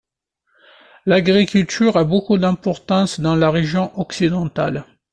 L'agriculture a beaucoup d'importance dans la région occidentale.